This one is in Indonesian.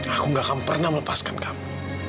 aku gak akan pernah melepaskan kamu